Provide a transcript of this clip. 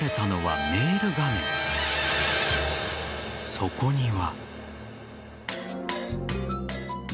そこには。